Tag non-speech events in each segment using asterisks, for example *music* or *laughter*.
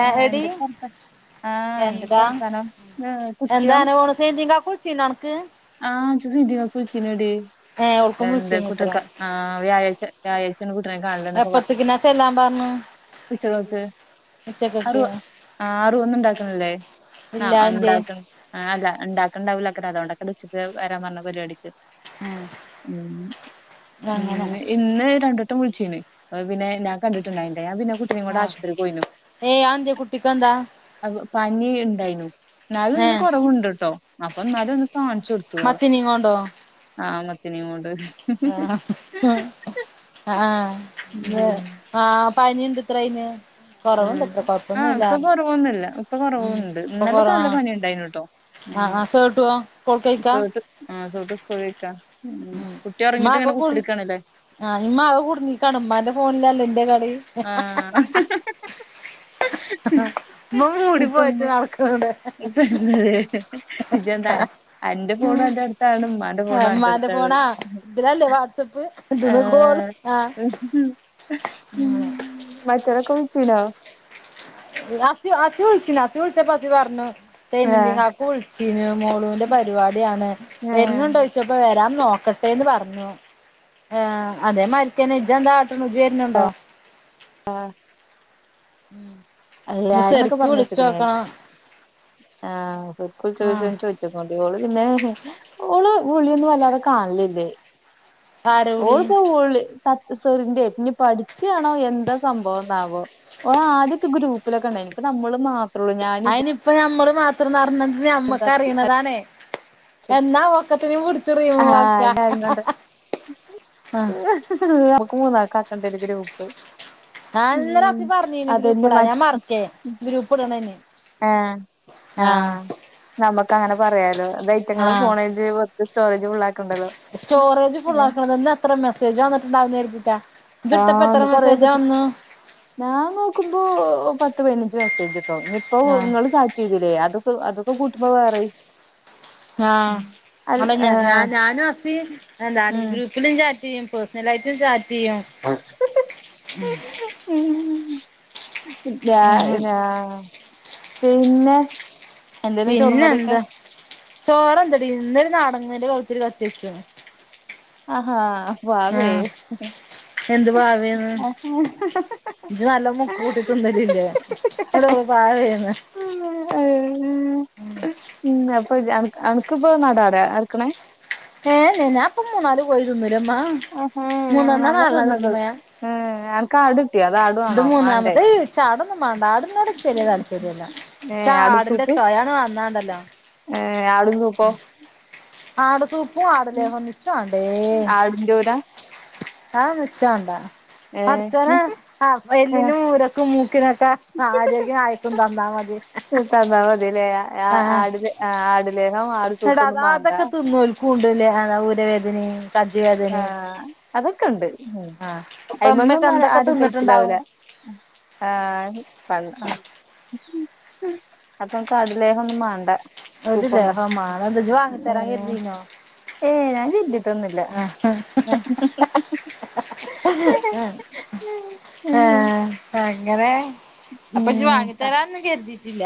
അ എടി എന്തൊക്കെ വർത്താ ആഹ് എന്തൊക്കെ എന്താ വർത്താനം ഏഹ് കുട്ട്യോ എന്താ എന്ന ഒന്ന് സൈനുദ്ദീൻ കാക്ക വിളിച്ചിരനോ? നനക്ക്. ആ ഇച് സൈനുദ്ദീൻ കാക്ക വിളിചിനടി ഏ ഓൾക്കും എന്താ വിളിച്ചീനി കുട്ടി ൻറ്റെ അത്ര ക വ്യാഴാഴ്ച വ്യാഴാഴ്ച കു *unintelligible* പച്ചലക്ക അ് ഉച്ചക്കക്ക് *unintelligible* അറിവ് ഒന്നും ഉണ്ടാക്കണല്ലേ ആ *unintelligible* ഇല്ല എന്തേ ഒെണ്ടാവില്ല അനെ അതൊെച്ചട്ട വൻ പറഞ്ഞ പരിപടിക്ക് ഉ ഉ അങ്ങനെ ഇന്ന് രണ്ട രട് വടം വിളിചിന് പിന്നെ ഞാൻ കണ്ടിട്ടുണ്ടായിനിലടോ അയാൾ പിന്നെ കുട്ടിനെ കൊണ്ട് ആ ആശുപത്രിയിൽ പോയിരുന്നു. ഏയ് അതെന്തേ കുട്ടിക്കെന്താ അ പനി ഉണ്ടായിനു എന്നാലും ഏ ഒന്ന് കൊറവണ്ട്ട്ടോ അപ്പൊ എന്നാലും ഒന്ന് കാണ ടുത്തു ഒളാം മത്തിനേം ആ മത്തിനെയ കൊണ്ട് ആഹ ആഹ ഉം ആഹ പനി ഉണ്ട്ത്ര അയിന് ഉം കൊറവുണ്ടത്ര ആഹ കൊഴപ്പൊന്നുമില്ല ഇപ്പൊ കൊറവൊന്നുമല്ല ഇപ്പൊ ഉം കൊറവുണ്ട് ഇന്നലൊക്കെ നല്ല പനി ഉണ്ടായിന് ട്ടോ. ആഹ ആ സേട്ടു സ്കൂൾ പൊയ്ക്കോ. *unintelligible* ഉം കുട്ടി ഇറങ്ങിട്ട് ഇങ്ങനെ ഉമ്മാക്കൊക്കെ കുത്തിടുക്കണല്ലേ? ആഹ് ഇമ്മ അത് കുടുങ്ങിക്കാണ് ഉമ്മാന്റെ ഫോണിലല്ലേ ഇന്റെ കളി ആഹ *unintelligible* ഉമ്മ മൂടി ഇപ്പ പോയിട്ട് നടക്ക്ണ്ട് ഇപ്പ നിജന്ത *unintelligible* എന്റെ ഫോണും എററ അടുത്താണ്. ഉ്മാന്റെ ഫോണും എറ ഉമ്മാന്റെ റഅടുത്താണ്. ഫോണാ ഇതിലല്ലേ വാട്സപ്പ് ഇതിന്ന് കോള് ആഹ ആഹ് *unintelligible* ഉം മറ്റൊരൊക്കെ വിളിച്ചിനോ? അ അസി ഉളിച്ചിന് അസി വിളിച്ചപ്പസി പറഞ്ഞു സൈനുദി ആഹ് കാക്ക വിളിച്ചിന്. മോളുവിന്റെ പരിപാടിയാണ്. ഏഹ് വരുന്നുണ്ടോ ചോയിചു പ്പോ വരാൻ നോക്കട്ടെന്ന് പറഞ്ഞു അതെ മരിക്കനെ ഇ ഛ്എന്താ *unintelligible* ന്നുണ്ടോ എല്ലാരും എന്നൊക്കെ പറഞ്ഞ് ച്ക്ണ് ആഹ *unintelligible* ആഹ് ചോദിച്ചോകോടിം ഒള് പിന്നെ ഓള് വിളിയന്നും വല്ലാതെ കാണലല്ലേ ആര വിളി ഓളപ്പോ വിളി *unintelligible* സവറിന്റെ ഇനി പഠിച്ചാണോ എന്താ സംഭവംന്നാവോ ഓ ആദ്യം. ഗ്രൂപ്പിലൊക്കെണ്ട യിന് നമ്മള് മാ അതിനി ഇപ്പ നമ്മള് മാത്രംഞ്ഞത് നഞമ്മക്ക് തത്തി അറിയുന്നതാണേ എന്നാ ഒക ആഹ ഇാ അങ്ങണ്ട് *unintelligible* മൂന്ന് ആക്ക് ആക്കണ്ടിരും ഗ്രൂപ്പ്. ല്ല ഉം ആഫി പറഞ്ഞീന് ഗ്രൂപ്പ് അതന്നെ ഇടാ മ ഞാൻ മറക്കേ ഗ്രൂപ്പ് ഇടണം. ഇഞ് ആ ആഹ നമുക്ക് അങ്ങനെ പറയാലോ ആഹ് ഐഫോണൈറ്റ്. സ്റ്റോറജ് ഫുള്ളാകി സ്റ്റോറേജ് ഫുള്ള ആക്കണന്നന്ന് എത്ര മെസ്സേജ് വന്നിട്ടുണ്ടാവുന്ന് കരുതിട്ട. ആഹ കൊറെ മെസ്സേജ് ഞാൻ നോക്കുമ്പോ പത്ത് പതിനഞ്ചു മെസ്സേജ്. കേട്ടോ ഇനിയിപ്പോ ആഹ് നിങ്ങൾ ചാറ്റ് ചെയ്തില്ലേ അതൊക്കെ അതൊക്കെ കൂട്ടുമ്പോ വേറെ ആഹ് ഞാനും ഞഞ ഞാനും അസീ എത ഗ്രൂപ്പിൽ ഇല്ലാഞ്ഞിട്ട് ചെയും പേഴ്സണലായിട്ടും ചാറ്റെയ്യും ഉം ഉം ഞാ ഞാ പിന്നെ എന്തേലും ചോറും കറിയൊക്കെ പിന്നെന്താ ചോറെന്തടി ഇന്നൊരു നട *unintelligible* ത്തിരി കത്തിക്കാ ആഹാ വാവേ എന്ത് വാവേന്ന് ഇജ്ജ് നല്ല മുക്ക് മൂട്ടി തിന്നലില്ലേ എടോ വാവേന്ന് ഉം അപ്പൊജ് അൻ അൻക്കിത് നടാടെ എർക്ക്ണേ ഏ ഞാപ്പം മൂന്നാല് കോയി തിന്ന്ലെമ്മ ആഹാ മൂന്നണോ നല്ല നാലണോ തിന്ന് തിന്ന്ക്ക്ണ് ലെ ഏ അനക്ക് ആട് കിട്ടിയോ അത് ആടു ഇത് ആണോ വാണ്ടേ മൂന്നാമത്തെ ചാടൊന്നും മാണ്ട ആട് നോട് ച്ച് വെല്ല്യെ താല്പര്യല്ലാ ഏ ഇച്ചാടിന്റെ ചൊയാണ്ട് വന്നാണ്ടല്ലോ ഏർ ആടിൻ സൂപ്പോ ആട് സൂപ്പും ആട് ലേഹോന്നും ഇച്ച് മാണ്ടേ ആടിന്റൂര ആ ഒന്നും ച്ചാണ്ട ഏ പടച്ചോന് ആ എല്ലിനും ഊരക്കും മൂക്കിനൊക്കെ ആരോഗ്യും ആയുസും തന്നാ മതി ഇൻ ക്കതാ തിലേ ആ ആട് ആ ആട് ലേഹം ആട് സൂപ്പൊന്നും മാണ്ട ട് ലേഹന്ന ഊരവേദനേ ആ അതൊക്കെ ണ്ട് ഉം ആഹ് ഇപ്പ അയ്മ ഇമ്മക്കെ ന്നൊന്നും എന്തൊക്കെ ആരും കയ്ച്ചില്ലാവൂല തിന്നിട്ടുണ്ടാവും ആ പള്ള *unintelligible* അപ്പൻക്ക് ആടുലേഹൊന്നും മാണ്ട ഏത് ലേഹ സൂപ്പൊന്നും മാണെന്ന് ജ് വാങ്ങി തരാൻ കര്തീന്യോ ഏ ഞാൻ കര്തീട്ടൊന്നുല്ല ഉം എങ്ങനെ അപ്പ ജ് വാങ്ങി തരാനൊന്നും കര്തീട്ടില്ല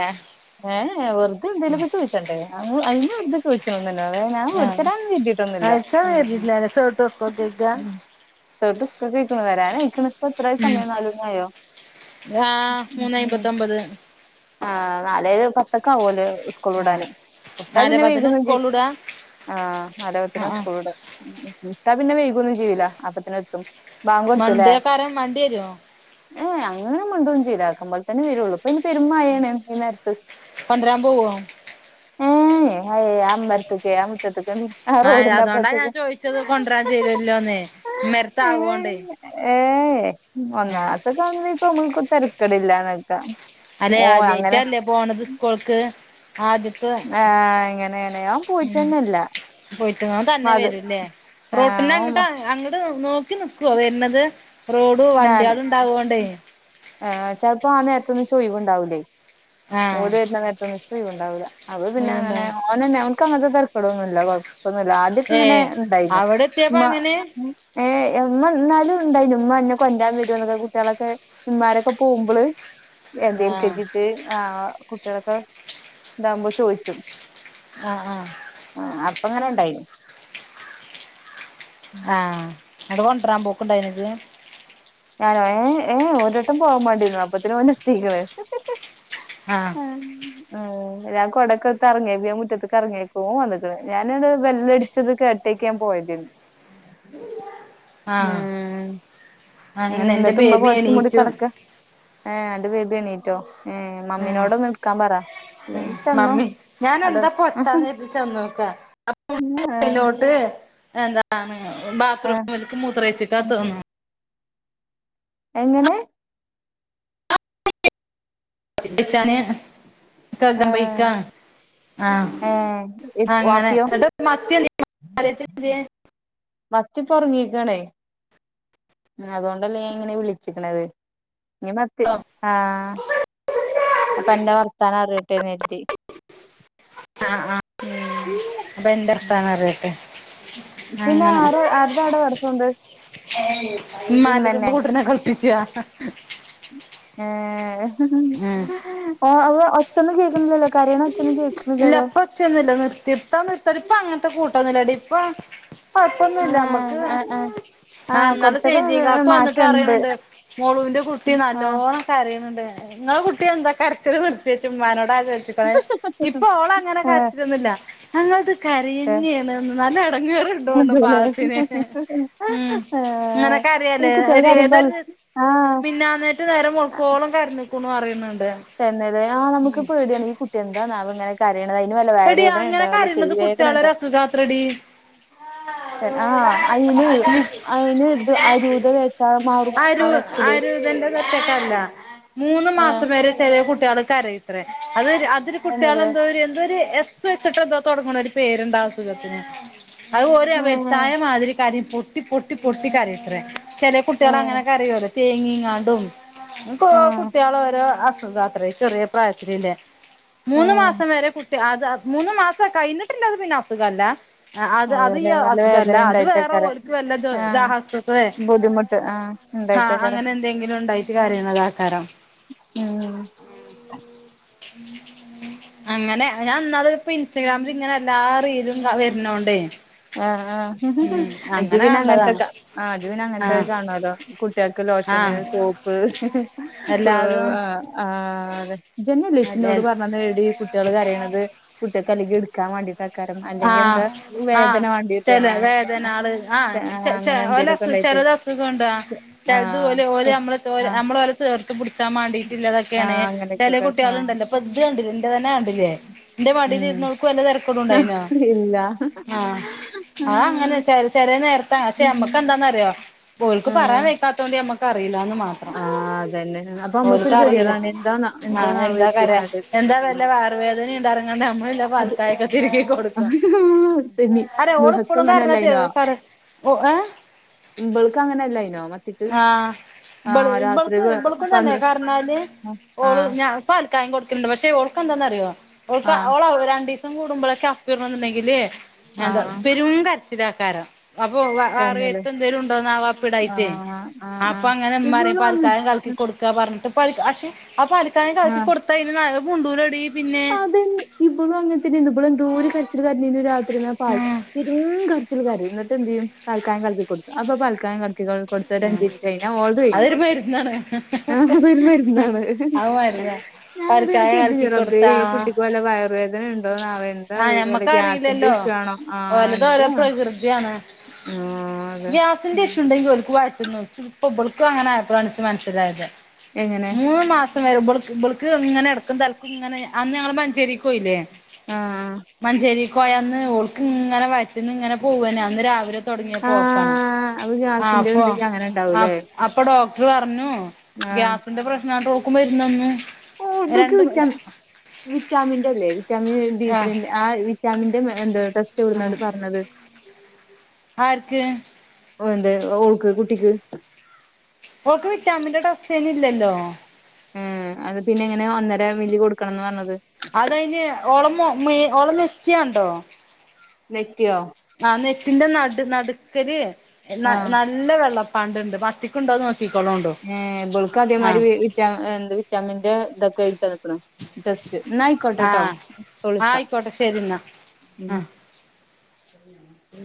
ഏ വെർതെ എന്തെങ്കിലൊക്കെ ചോയ്ചെണ്ടേ അങ്ങ് അയിന് വെർതെ പോയ്ച്ചിണെന്ന ഏ വെ ഞാൻ ആഹ് വെട്ചെരാൻ കര്തിട്ടൊന്നുല്ല അയക്കാൻ കരുതിട്ടില്ല സേട്ട് വെക്കോ കേക്കാ ഉം ചെർത് സ്കൂക്കോയിക്ക്ണ് വരാനായിക്ക്ണ് പ്പത്രയി ഉം സമയം നാലുമണ്യായോ ആഹ് മൂന്ന് ഉം അയ്മ്പത്തൊമ്പത് ആ നാലേ പത്തൊക്കവൊല്ലോ സ്കൂള് ആഹ് വിടാന് വിട്ട നാലേ പിന്നെ പത്തിന് *unintelligible* സ്കൂളിൽ വിടാ ആ നാലേ പത്തിനാ ആഹ് ആഹ് സ്കൂൾ വിട്ടാ പിന്നെ വൈകൊന്നും ചെയ്യൂല്ല അപ്പത്തിനെത്തും മണ്ടേക്കാരം മണ്ട്യെ രോ ഏ അങ്ങനെ മണ്ടൊന്നും ചെയ്യൂല അക്കമ്പോൽ തന്നെ വെരൊള്ളൂ പ്പ യ്ന് പെരുംമയേണ് ഇ നേരത്ത് കൊണ്ടരാൻ പോവോ ഏയ് അഅ് അമ്മര്ത്ത്ക്കെ ആ മുറ്റത്ത് ആ ആഹ് അതോണ്ടാ റോഡിന്റപ്പർത്തെക്ക ഞാൻ ചോദിച്ചത് കൊണ്ടരാൻ ചേരുവല്ലോന്ന് ഇമ്മരത്ത് ആവോണ്ടേ ഏ ഏ ഏ ആഹ് ഒന്നാമത്തെ *unintelligible* ഇപ്പൊ നമ്മക്ക് തെരക്കടില്ലാന്നക്കാ അതേ ഓ അങ്ങനെ ആദ്യായിട്ടല്ലേ പോണത് സ്കൂൾക്ക് ആദ്യത്തെ ആ ഇങ്ങനെണ് ഓൻ പോയിട്ടെന്നെല്ല പോയിക്ക്ണ് ഓൻ തന്നെ വരൂല്ലേ ആ ഓ റോട്ടിനങ്ങട്ടാ അങ്ങട്ട് നോക്കി നിക്കോ വര്ന്നത് റോഡ് ഞാന് വണ്ട്യള് ണ്ടാവോണ്ടേ ക്കന്നും ച്വായ് വ്ണ്ടാവൂല്ലേ ആഹ് ഓല് വര്ന്ന നേരത്തൊന്നും ഇച്ചൊയ് വ് ണ്ടാവൂല അപ്പ പിന്നെ അങ്ങനെ അതുകൊണ്ടാണ് ഓനെ ന്നെ ഓൻ ക്കങ്ങൻത്തെ തെരക്കെടൊന്നുല്ല കൊ പ്പൊന്നുല്ല ഏ ആദ്യാക്കങ്ങനെ ഇണ്ടായിന്നു അവിടെ എത്തിയപ്പോ ഇമ്മ അങ്ങനെ ഏ എമ്മ എന്നാലും ണ്ടായിന്നു ഇമ്മ ന്നെ കൊണ്ട്രാൻ വെരോ എന്നൊക്കെ കുട്ട്യെളൊക്കെ ഇമ്മാരൊക്കെ പോവുമ്പള് എന്തേലു ആഹ് കെദ്യ ട്ട് ആ കുട്ട്യാളൊക്കെ ഇതാവുമ്പോ ചോയ്ച്ചും ആ ആ അപ്പ ങ്ങനെ ണ്ടായിന്നു ആ ങ്ങട്ട് കൊണ്ട്രാൻ പോക്ക്ണ്ടായി ണോ ജ് ഞാനോ ഏ ഏ് ഒരട്ടം പോവാൻ മട്യേന്നു അപ്പത്തിന് പിന്നെ സ്ഥിര *unintelligible* ആഹ് ഉം ഉ ഞാൻ കൊടക്കൊട്ത്ത് ഇറങ്ങേക്ക മുറ്റത്തത്ത്ക്ക് ഇറങ്ങേക്ക ഓൻ വന്നിട്ട ഞാന ഇടെ ബെല്ലടിച്ചത് കേട്ടേക്കൻ പോയിത് ഉം ആഹ് അങ്ങനെ എന്റെ എന്നിട്ട് മ്മ ബേബി പൊതച്ചു മൂടി എണീറ്റു കിടക്ക ഏ ആണ്ടു പോയിണോ എണീട്ടോ, ഉം മമ്മിനോടൊന്ന് ഇട്ക്കാൻ പറ ഉം ഇല്ലെങ്കി ചെന്നോ മമ്മി ഞാൻ അടെ എന്താ ഏഹ് പൊച്ചന്ന് കരുത്ചന്ന നോക്ക ലോട്ട് എന്താണ് ഏഹ് ബാത്റൂമിലെക്ക് മൂത്രേച്ചക്കാ തോന്നുന്നു എങ്ങനെ *unintelligible* കയുകാൻ പോയിക്ക ഏഹ് ആഹ ഏഹ് ഇപ് അങ്ങനെ. വാപ്പിയോ *unintelligible* മറ്റേ പ്പൊ ഒറങ്ങീക്കണേ ഉ അതുകൊണ്ടല്ലേ ഞാൻ ഇങ്ങനെ വിളിച്ചിക്കണത് ഇനി മത്തി ആഹ അപ്പൊ അന്റെ വർത്താനം അറിയട്ടെ ന്ന് കരുതി ആഹ ആഹ ഉം അപ്പൊ എന്തർഥന്ന് അറിയട്ടെ പിന്നെ ആര് ആരുടൊട വടസുണ്ട് മ്മന്റത്. മ്മ കുട്ടിനെ കുളിപ്പിച്ച ഏ അവ ഒച്ചൊന്നും കേൾക്കുന്നില്ലല്ലോ കരയണ ഒച്ചൊന്നും ഇല്ല കേൾക്കുന്നില്ലല്ലോ ഇപ്പ ഒച്ചൊന്നും ഇ നിർത്തിത്താ നിർത്തടി ഇപ്പ അങ്ങനത്തെ കൂട്ടം ന്നു ഇപ്പ കുഴപ്പൊന്നുല്ല ഏഹ് മ്മക്ക് ഏഹ് ഏഹ് ആ ആഹ് എന്നാല കൊറച്ചൊക്കെ സേജീകക്കെ വന്നിട്ട് മാറ്റണ്ട് പറിയണണ്ട് മോളുവിന്റെ കുട്ടി ആഹ് നല്ലോണം കരയണണ്ട് നിങ്ങളെ കുട്ടി എന്താ കരച്ചത് നിർത്തിയ ചുമ്മാനോട് ആചോദച്ചണേ ഇപ്പൊ ഓള അങ്ങനെ കരച്ചിലൊന്നുല്ല. ഞങ്ങൾ ഏഹ് കരിയന്നെയാണ് നല്ല എടങേറുണ്ട് തോന്നുന്നു അതെല്ലേ പാവത്തിന്. ഉം ഇന്നലെ ആഹ് ഈ കുട്ടികള് കരയല്ലേ കരയുമ്പം തൊരു ആഹ് മിന്നാനേറ്റ് നേരം വെൽക്കോളം കരി നൽക്കുന്നു അറണി എന്നന്നത് ആഹ നമുക്ക് പേടിയാണ് ഈ കുട്ടി എന്താണാവം ഇങ്ങനെ കര എടിയ അങ്ങനെ കരയുന്നത് വേദന കുട്ടികളെ ഇണ്ടോ രസുഖാത്രടി ആഹ് അയിന് അയിന് ഇത് അ രൂത വച്ചാ മാറും ആ അരു കരച്ചില് അരുതന്റെ മൂന്ന് ഏഹ് മാസം വരെ ചെറിയ കുട്ടികൾകരയും ഇത്ര അത് അതില് എന്നത് കുട്ടികൾെന്താ എന്തോ ഒരു എസ് വച്ചിട്ട് എന്താ തുടങ്ങണ ഒരു പേരുണ്ട് അസുഖത്തിന് അത് ഒരു ഏഹ് വ്യതായ മാതിരി ക പൊട്ടി പൊട്ടി പൊട്ടി കരായാത്ര ചെല കുട്ടികൾ ഏഹ് അങ്ങനെ കരയോലോ തേങ്ങിങ്ങാണ്ടും ആഹ് കുട്ടികളോഓരോ അസുഖാത്ര ചെറിയ പ്രായത്തില്ലേ മൂന്ന് ഏഹ് മാസം വരെ കുട്ടി അത് മൂന്ന മാസം കഴിഞ്ഞിട്ടില്ല അത് പിന്നെ അസുഖല്ല ആ അത് അത് ഈ അതേല്ലേ നല്ല അസുഖല്ല വേദന അത് വേറെ ഇണ്ടായിട്ടേക്കാരം ഓലക്ക് വല്ല ആഹ് ദാഹ ബുദ്ധിമുട്ട് ആഹ് ആഹ് ഇണ്ടായിട്ടേക്കാരം അങ്ങനെ എന്തെങ്കിലും ഉണ്ടായിട്ട് കരയുന്നത് ആക്കാരം ഉം ആ അങ്ങനെ ഞാൻന്നാലും ഇപ്പ ഇൻസ്റ്റഗ്രാമില് ഇങ്ങനെ എല്ലാ റീലും വരുന്നോണ്ടേ ആ ആ ഉം ഇജ്ജ് അങ്ങനെ പിന്നെ അങ്ങനത്തെ കണ്ടതാണ് ആ ഇജ്ജ് പിന്നെ അങ്ങനത്തെ ആഹ് കാണല്ലോ കുട്ടികൾക്ക് ലോഷന് ആഹ് സോപ്പ് എല്ലാതും ആതെ ജൻെല്ലച്ചനോട് പറഞ്ഞ നേടി കുട്ടികൾ കരയണത് കുട്ടികൾക്ക് അല്ലെങ്കിൽ എടുക്കാൻ വേണ്ടിട്ട് കാരം അല്ലെങ്കിൽ എന്താേ വേദ ആ ച വേദനാള് ആഓസുഖ അങ്ങനെ എന്തേലുമൊക്കെ ഉണ്ടായിട്ട് ചെറത് അസുഖംുണ്ട് ആ ആഹ് അതുപലെഓമ്മ ആഹ് നമ്മൾ ഓലെ ചേർത്ത പിടിച്ചാൻ മാണ്ടീയിട്ടില്ലതൊക്കെയാണ് ആഹ് ചില അങ്ങനെയൊക്കെക്കെ ആഹ് കുട്ടികളുണ്ടല്ലോ? അപ്പൊ ഇത് കണ്ടിലെ എന്റെ തന്നെയാണ് ലേ എന്റെ മടിൽ ഉം ഇരുന്നവൾക്ക് വല്ല തിരക്കോട് ഉണ്ടായിന ഇല്ല ആ ആ ങ്ങനെയാ ആഹ് ചെല ചെ നേരത്ത് പക്ഷെ നമ്മക്ക് എന്താന്നറിയോ ഓൾക്ക് പറയാൻ ഉം വെക്കാത്തോണ്ട് നമ്മക്ക് അറിയില്ലാന്ന് മാത്രം. ആഹ് അതന്നെ അപ്പൊ നമ്മക്കൊരു ഓൾക്കറിയില്ല ഗതികേടാണ് എന്താന്നാ എന്താണാവോ എന്താ കര കരുതിങ്ങാണ്ട് വല്ല ഉം വയർവേദന ണ്ട്റങ്ങണ്ട് നമ്മളല്ല് പാൽ പാൽ അത് കായൊക്കെ തിരുകി കൊടു ക തെമി അല്ല ഓള് നുഹക്ക് പ്പളും അങ്ങനെ കര്നത് അല്ലായിനോ ഫർ ഒ എ ഇബൾക്ക് അങ്ങനെല്ലയ്നോ മത്തിട്ട് ആഹ് ഇബൾ ഇബൾക്ക് ഇബൾക്കുംതന്നെ കാർണാല് ഓള് ആഹ് ഞാൻ പാൽക്കായം കൊടു ക്കൽണ്ട് പക്ഷേ ഓൾക്ക് എന്താന്ന് അറിയോ ഓൾക്ക് ആഹ് ഓള് രണ്ടിസം കൂടുമ്പോഴൊക്കെ അപ്പിടണംന്ന്ണ്ടെങ്കില് എന്ത ആഹ് പെരും കരച്ചിലാക്കാരം അപ്പൊ വ തന്നെല്ലേ വറയത്ത്ന്തേലും ഉണ്ടോന്നാവോ അപ്പി ഇടായിട്ടേ ആഹ് ആഹ് അപ്പൊ ആഹ് അങ്ങനെ മ്മറിം ഇവളും അങ്ങൻ പാൽക്കായം കലക്കി കൊടുക്ക പർന്ട്ട് പൽക അക്ഷെ ആ പാൽക്കായം കൽകി ആഹ് കൊട്ത്തയ്ന നാ അ മുണ്ടൂലടി അതന്നെ ഇബളും അങ്ങനത്തന്നെന്നു ഇബള് എന്തൂരു കരച്ചി തിരി കര്നീനു രാത്രി നാ പാൽ ഉം പെരും ഗർ ച്ചിരി കരയും ന്നിട്ട് ന്ത്യ്യും പൽക്കായം കൽക്കി കൊടുത്ത് അപ്പം പാൽക്കായം കൽ ക്കി കൊൾ കൊൾത്ത് ഒരഞ്ചിൻറ്റ് കഴിഞ്ഞ ഓൾത് കഴിഞ്ഞു. അതൊരു മരുന്നാണ് ആ അതൊരു മരുന്നാണ്. അത് മരുന്നാ ഞാനതി എട്ക്ക് പാൽക്കായം എന്ത് ചെയ്യു റബേ ഈ കുട്ടിക്ക് വല്ല വയർവേദ ആ ഞമ്മക്കറീലല്ലോ ഇഷ്യൂ ആണോ ആഹ് ഓലത് ഓരോ എന്താ പ്രകൃതിയാണ്. ആഹ് അതെ ഗ്യാസിന്റെ ഉം ഇഷു ണ്ടെങ്കിൽ ഓൽക്ക് വയറ്റുന്നുട്ച്ചും ഇപ്പബൾക്കും അങ്ങനെ ആയപ്പളാണ് ഇച്ച് മനസ്സിലായത് എങ്ങനെ മൂന്ന് മാസ *unintelligible* ഇബൾക്ക് ഇബൾക്ക് ഇങ്ങനെ എട്ക്കും തൽക്കും ഇങ്ങനെ അന്ന് ഞങ്ങള് മഞ്ചരിക്കോയില്ലേ. അ ആ പോയ അന്ന് ഓൾക്ക് ഇങ്ങനെ വയറ്റ്ന്ന് ഇങ്ങനെ പോവന്നെ അന്ന് രാവിലെ തുടങ്ങിയ പോക്കണ് ആഹ് അത് ആ ഗ്യാസിന്റെ അപ്പൊ ഉണ്ടെങ്കി അങ്ങനെ അ ഉണ്ടാവൂല്ലേ അപ് അപ്പൊ ഡോ ർ പറഞ്ഞു ആഹ് ഗ്യാസിന്റെ പ്രശ്ന ഓൾക്ക് മരുന്ന് തന്ന് ഓഹ് ഇബൾക്ക് രണ്ട് വിറ്റാ *unintelligible* വിറ്റാമിന്റെ അല്ലേ വിറ്റാമിൻ ഡി ത്രീ ആഹ് ൻ്റെ ആ വിറ്റാമിന്റെ എന്ത് ടെസ്റ്റ് എവിടുന്നാണ് പർനത്. ആർക്ക് ഓ എന്ത് ഓൾക്ക് കുട്ടിക്ക്? ഓൾക്ക് വിറ്റാമിൻ്റെ ഡസ്ഥേൻ ഇല്ലല്ലോ? ഉം അത് പിന്നെ എങ്ങനെ ഒന്നര മില്ലി കൊടുക്കണംന്ന് പർനത്. അതയിന് ഓള് മു മീ ഓളെ നെറ്റ്യണ്ടോ? നെറ്റിയോ? ആ നെറ്റിന്റെ നടു നടുക്കല് ന ആഹ് നല്ല വെള്ള പാണ്ട്ണ്ട് വത്തിക്ക്ണ്ടോ നോ ഏ ഇബൾക്ക് അതേമാരി വി വിറ്റാ എന്ത് വിറ്റാമിന്റെ ഇതൊക്കെ എഴുതി തന്ന്ക്ക്ണ് ടെസ് റ്റ് ആ എന്നയിക്കോട്ടെട്ടോ ഇപ്പ വിളിക്ക ആയിക്കോട്ടെ ശരി ന്നാ ഉം. ആ *unintelligible*